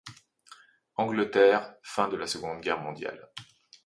Angleterre, fin de la Seconde Guerre mondiale.